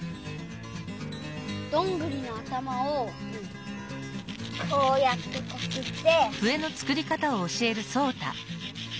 どんぐりの頭をこうやってこすって。